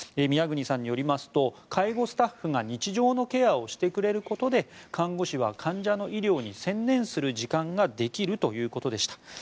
宮國さんによりますと介護スタッフが日常のケアをしてくれることで看護師は患者の医療に専念する時間ができるということでした。